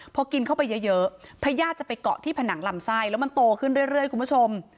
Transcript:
พอกินเข้าไปเยอะพญาติจะไปเกาะที่ผนังลำไส้แล้วมันโตขึ้นเรื่อยคุณผู้ชม